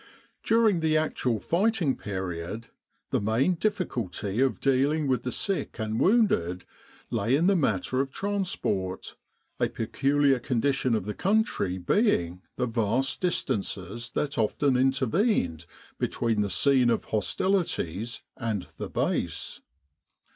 During the actual fighting period the main difficulty of dealing with the sick and wounded lay in the matter of transport, a peculiar condition of the country being the vast distances that often intervened between the scene of hostilities and the base.